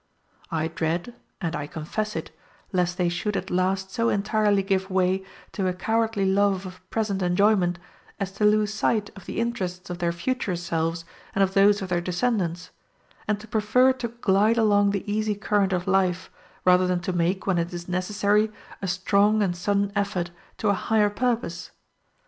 I dread, and I confess it, lest they should at last so entirely give way to a cowardly love of present enjoyment, as to lose sight of the interests of their future selves and of those of their descendants; and to prefer to glide along the easy current of life, rather than to make, when it is necessary, a strong and sudden effort to a higher purpose.